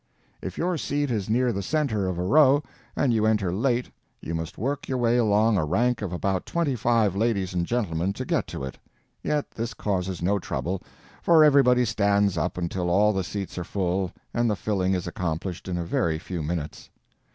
If your seat is near the center of a row and you enter late you must work your way along a rank of about twenty five ladies and gentlemen to get to it. Yet this causes no trouble, for everybody stands up until all the seats are full, and the filling is accomplished in a very few minutes.